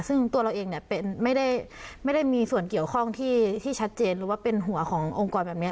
ซึ่งตัวเราเองเนี่ยเป็นไม่ได้ไม่ได้มีส่วนเกี่ยวข้องที่ที่ชัดเจนหรือว่าเป็นหัวขององค์กรแบบเนี้ย